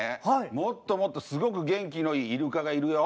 もっともっとすごく元気のいいイルカがいるよ。